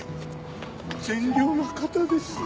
善良な方ですね！